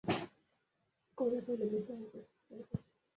কমলা কহিল, দেশে যাইতেছি।